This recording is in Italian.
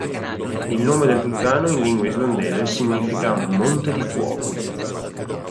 Il nome del vulcano in lingua islandese significa "monte di fuoco".